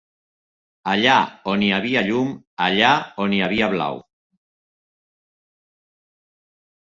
Allà on hi havia llum, allà on hi havia blau